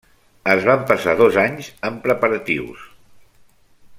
Es van passar dos anys en preparatius.